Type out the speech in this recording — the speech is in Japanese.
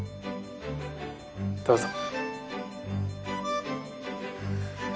どうぞ。